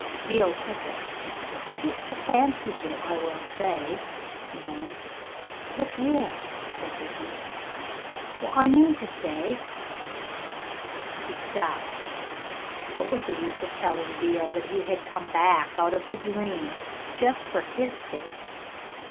Beale took it. "It's a fancy bit, I will say," he owned. "Look 'ere," said Dickie, "what I mean to say " He stopped. What was the use of telling Beale that he had come back out of the dream just for his sake?